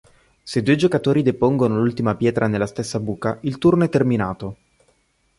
Se due giocatori depongono l'ultima pietra nella stessa buca, il turno è terminato.